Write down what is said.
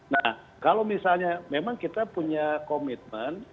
nah kalau misalnya memang kita punya komitmen